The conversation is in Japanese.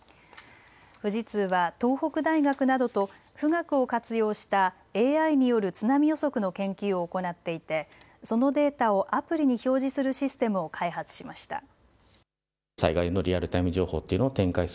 富士通は東北大学などと富岳を活用したＡＩによる津波予測の研究を行っていてそのデータをアプリに表示するシステムを開発しました。